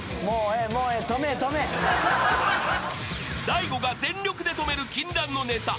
［大悟が全力で止める禁断のネタ。